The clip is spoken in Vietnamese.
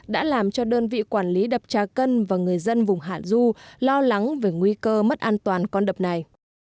đã làm cho đơn vị quản lý đập trà cân và người dân vùng hạ du lo lắng về nguy cơ mất an toàn con đập này